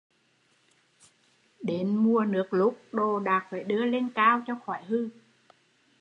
Đến mùa nước lút, đồ đạc phải đưa lên cao cho khỏi hư